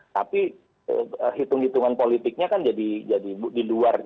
tapi hitung hitungan politiknya kan jadi di luar